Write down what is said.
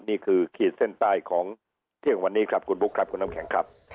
ขีดเส้นใต้ของเที่ยงวันนี้ครับคุณบุ๊คครับคุณน้ำแข็งครับ